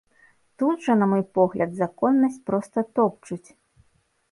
Тут жа, на мой погляд, законнасць проста топчуць.